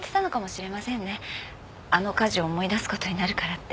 あの火事を思い出すことになるからって。